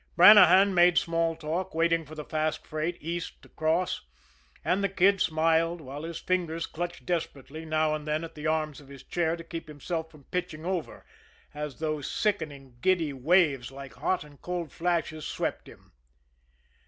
Brannahan made small talk, waiting for the fast freight, east, to cross; and the Kid smiled, while his fingers clutched desperately now and then at the arms of his chair to keep himself from pitching over, as those sickening, giddy waves, like hot and cold flashes, swept him.